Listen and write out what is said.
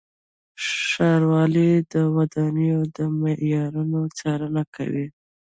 ښاروالۍ د ودانیو د معیارونو څارنه کوي.